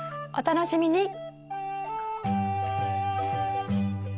お楽しみに。